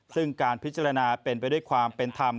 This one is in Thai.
ซึ่งการพิจารณาเป็นไปด้วยความเป็นธรรม